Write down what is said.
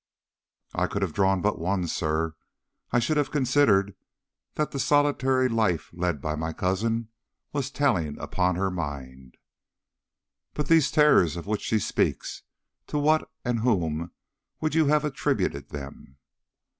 "I could have drawn but one, sir. I should have considered that the solitary life led by my cousin was telling upon her mind." "But these terrors of which she speaks? To what and whom would you have attributed them?"